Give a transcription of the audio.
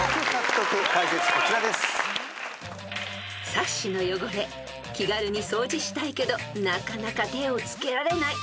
［サッシの汚れ気軽に掃除したいけどなかなか手を付けられない］